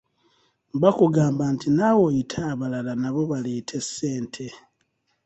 Bakugamba nti naawe oyite abalala nabo baleete ssente.